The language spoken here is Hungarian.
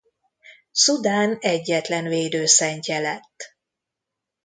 Szudán egyetlen védőszentje lett.